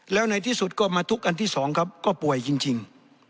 แล้วในที่สุดก็มาทุกข์อันที่๒ครับก็ป่วยจริง